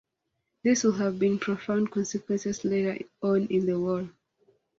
This would have profound consequences later on in the war.